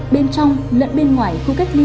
bên trong lẫn bên ngoài khu cách ly